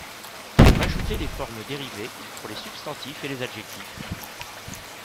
Rajouter les formes dérivées pour les substantifs et les adjectifs.